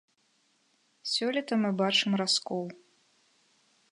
Сёлета мы бачым раскол.